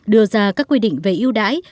đưa ra các quy định về ưu đãi